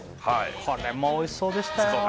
これもおいしそうでしたよ